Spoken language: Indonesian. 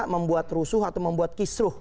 membuat rusuh atau membuat kisruh